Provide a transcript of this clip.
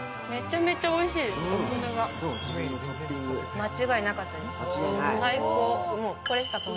間違いなかったです、最高。